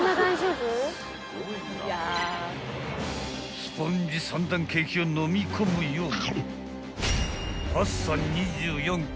［スポンジ３段ケーキをのみ込むように］